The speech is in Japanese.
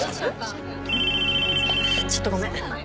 ちょっとごめん。